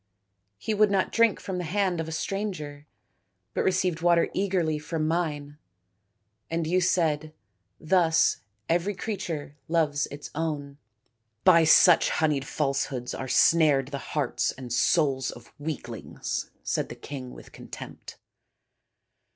He would not drink from the hand of a stranger, but received water eagerly from mine, and you said, c Thus every creature loves its own/ " 236 THE INDIAN STORY BOOK " By such honeyed falsehoods are snared the hearts and souls of weaklings," said the king with contempt.